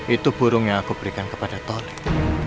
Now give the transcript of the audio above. itu burung yang aku berikan kepada tolik